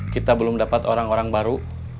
kita belum dapat orang orang baru